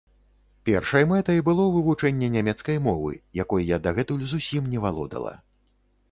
Першай мэтай было вывучэнне нямецкай мовы, якой я дагэтуль зусім не валодала.